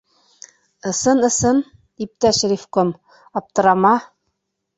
— Ысын-ысын, иптәш ревком, аптырама.